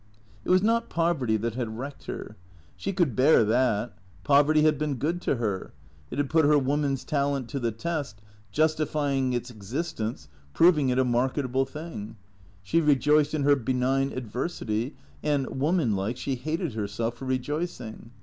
It was not Poverty that had wrecked her. She could bear 203 204 T H E C R E A T 0 E S that. Poverty had been good to her; it had put her woman's talent to the test, justifying its existence, proving it a market able thing. She rejoiced in her benign adversity, and woman like, she hated herself for rejoicing.